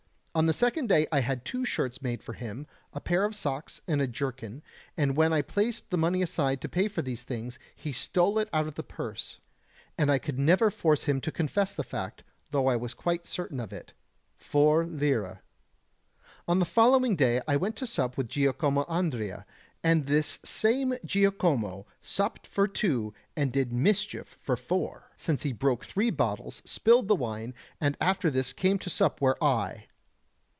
On the second day I had two shirts made for him, a pair of socks and a jerkin, and when I placed the money aside to pay for these things, he stole it out of the purse and I could never force him to confess the fact, though I was quite certain of it 4 lire. On the following day I went to sup with Giacomo Andrea, and this same Giacomo supped for two and did mischief for four, since he broke three bottles, spilled the wine, and after this came to sup where I...